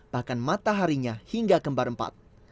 bahkan mataharinya hingga kembar empat